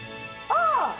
ああ！